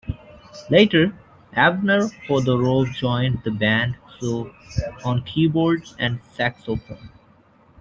Later, Avner Hodorov joined the band on keyboard and saxophone.